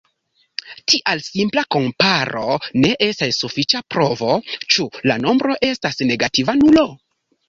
Tial simpla komparo ne estas sufiĉa provo, ĉu la nombro estas negativa nulo.